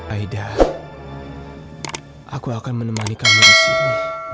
aida aku akan menemani kamu di sini